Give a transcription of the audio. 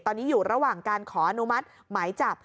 ตอนนี้อยู่ระหว่างการขออนุมัติหมายจับ